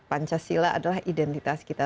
pancasila adalah identitas kita